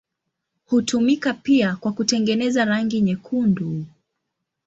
Hutumika pia kwa kutengeneza rangi nyekundu.